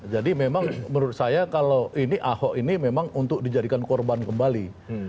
jadi memang menurut saya kalau ini ahok ini memang untuk dijadikan korban kembali